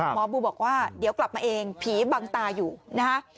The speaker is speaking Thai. บูบอกว่าเดี๋ยวกลับมาเองผีบังตาอยู่นะฮะ